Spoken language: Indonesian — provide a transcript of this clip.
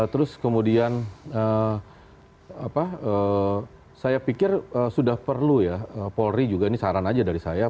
terus kemudian saya pikir sudah perlu ya polri juga ini saran aja dari saya